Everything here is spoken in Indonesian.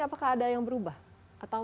apakah ada yang berubah atau